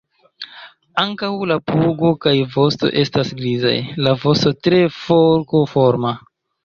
Ankaŭ la pugo kaj vosto estas grizaj; la vosto tre forkoforma.